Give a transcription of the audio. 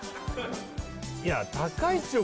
いや高いっすよ